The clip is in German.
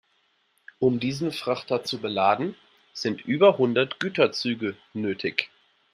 Um diesen Frachter zu beladen, sind über hundert Güterzüge nötig.